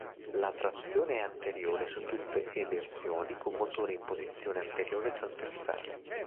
La trazione è anteriore su tutte e versioni con motore in posizione anteriore-trasversale.